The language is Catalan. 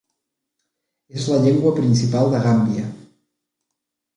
És la llengua principal de Gàmbia.